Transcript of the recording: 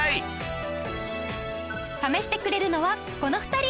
試してくれるのはこの２人！